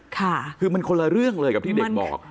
ค่ะคือมันคนละเรื่องเลยกับที่เด็กบอก